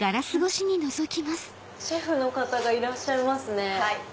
シェフの方がいらっしゃいますね。